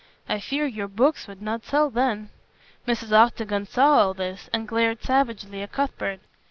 I fear your books would not sell then." Mrs. Octagon saw all this, and glared savagely at Cuthbert.